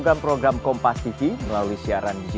terima kasih pak jekang